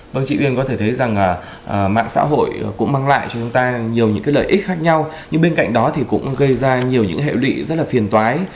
vâng chị uyên có thể thấy rằng mạng xã hội cũng mang lại cho chúng ta nhiều lợi ích khác nhau nhưng bên cạnh đó cũng gây ra nhiều hệ lụy rất phiền toái